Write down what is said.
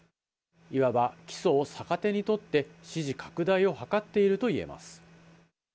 いわば起訴を逆手に取って、支持拡大を図っているといえます。